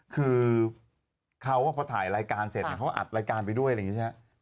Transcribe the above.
คือเขาพอถ่ายรายการเสร็จเขาอัดรายการไปด้วยอะไรอย่างนี้ใช่ไหม